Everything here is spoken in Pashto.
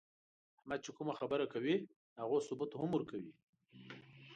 احمد چې کومه خبره کوي، د هغو ثبوت هم ورکوي.